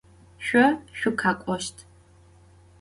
Şso şsukhek'oşt.